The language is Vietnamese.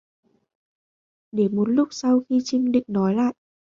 Để một lúc sau khi trinh định gọi lại